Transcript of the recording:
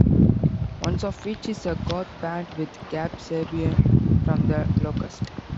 One of which is a goth band with Gabe Serbian from The Locust.